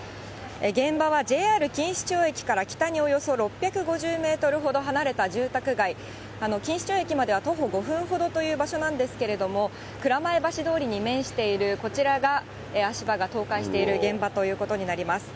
現場はＪＲ錦糸町駅から北におよそ６５０メートルほど離れた住宅街、錦糸町駅までは徒歩５分ほどという場所なんですけれども、蔵前橋通りに面しているこちらが足場が倒壊している現場ということになります。